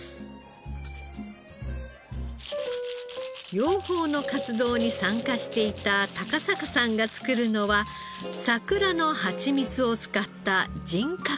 養蜂の活動に参加していた高坂さんが作るのは桜のハチミツを使ったジンカクテル。